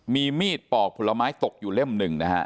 มีมีดปอกผลไม้ตกอยู่เล่มหนึ่งนะฮะ